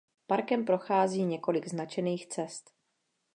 Parkem prochází několik značených cest.